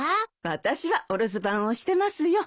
私はお留守番をしてますよ。